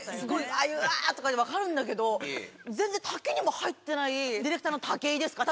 ああいう「うわぁ」とか言うの分かるんだけど全然滝にも入ってないディレクターの武井ですか？